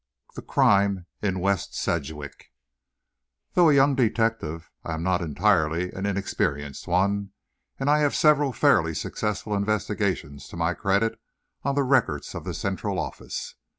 THE CRIME IN WEST SEDGWICK Though a young detective, I am not entirely an inexperienced one, and I have several fairly successful investigations to my credit on the records of the Central Office.